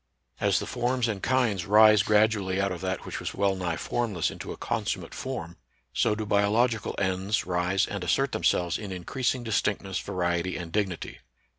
As the forms and kinds rise gradually out of that which was well nigh form less into a consummate form, so do biological ends rise and assert themselves in increasing distinctness, variety, and dignity.